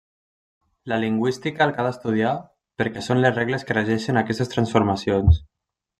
La lingüística el que ha d'estudiar, perquè són les regles que regeixen aquestes transformacions.